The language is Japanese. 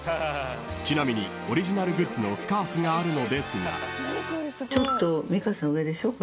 ［ちなみにオリジナルグッズのスカーフがあるのですが］